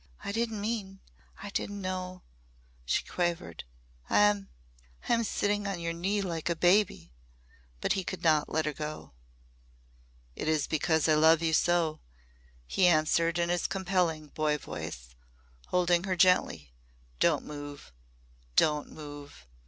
"I didn't mean I didn't know !" she quavered. "I am I am sitting on your knee like a baby!" But he could not let her go. "It is because I love you so," he answered in his compelling boy voice, holding her gently. "Don't move don't move!